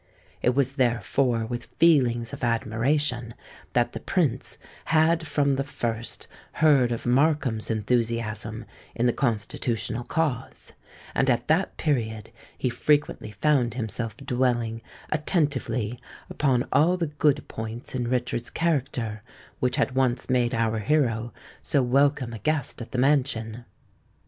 It was therefore with feelings of admiration that the Prince had from the first heard of Markham's enthusiasm in the Constitutional cause: and at that period he frequently found himself dwelling attentively upon all the good points in Richard's character which had once made our hero so welcome a guest at the mansion.